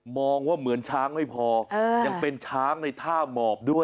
มองว่าเหมือนช้างไม่พอยังเป็นช้างในท่าหมอบด้วย